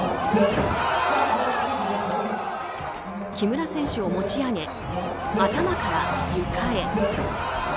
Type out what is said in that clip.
木村選手を持ち上げ頭から床へ。